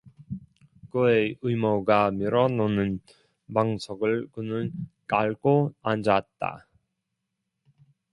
그의 의모가 밀어 놓는 방석을 그는 깔고 앉았다.